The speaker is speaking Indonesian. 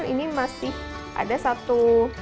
ini masih ada satu